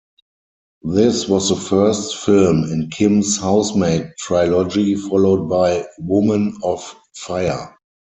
This was the first film in Kim's "Housemaid" trilogy followed by "Woman of Fire".